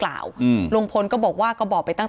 การแก้เคล็ดบางอย่างแค่นั้นเอง